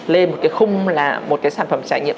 lên một cái khung là một cái sản phẩm trải nghiệm